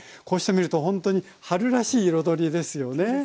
こうして見ると本当に春らしい彩りですよね。